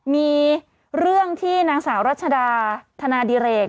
มีเรื่องที่นางสาวรัชดาธนาดิเรก